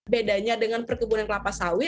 bedanya dengan perkebunan kelapa sawit